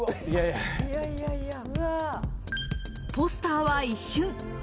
ポスターは一瞬。